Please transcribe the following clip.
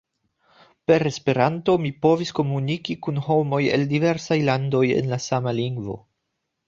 Per Esperanto mi povis komuniki kun homoj el diversaj landoj en la sama lingvo.